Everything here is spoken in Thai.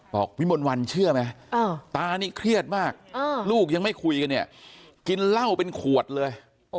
วิมนต์วันเชื่อไหมตานี่เครียดมากลูกยังไม่คุยกันเนี่ยกินเหล้าเป็นขวดเลย